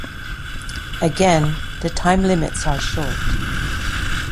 Again, the time limits are short.